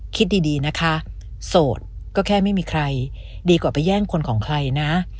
คิดดีนะคะโสดก็แค่ไม่มีใครดีกว่าไปแย่งคนของใครนะ